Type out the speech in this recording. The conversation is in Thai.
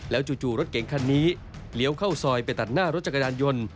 แล้วจู่รถเก๋งค่านี้เลี้ยวเข้าซอยแชกหน้ารถจักรยานยนต์